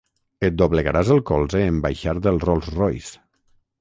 Et doblegaràs el colze en baixar del Rolls Royce.